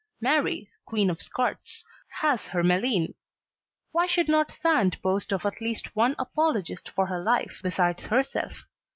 Mary, Queen of Scots, has her Meline; why should not Sand boast of at least one apologist for her life besides herself?